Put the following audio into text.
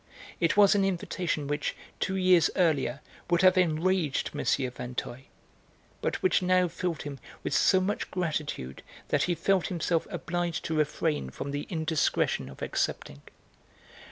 It was an invitation which, two years earlier, would have enraged M. Vinteuil, but which now filled him with so much gratitude that he felt himself obliged to refrain from the indiscretion of accepting.